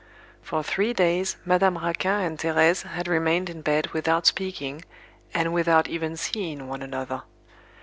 For three days, Madame Raquin and Thérèse had remained in bed without speaking, and without even seeing one another.